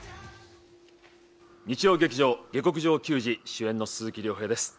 日曜劇場「下剋上球児」主演の鈴木亮平です。